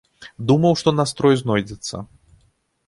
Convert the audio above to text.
Думаў, што настрой знойдзецца.